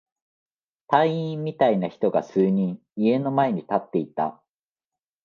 隊員みたいな人が数人、家の前に立っていた。